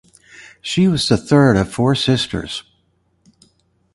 She was the third of four sisters.